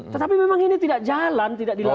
tetapi memang ini tidak jalan tidak dilakukan